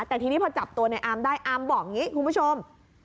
แต่ทีนี้พอจับตัวในอามได้อามบอกอย่างนี้คุณผู้ชม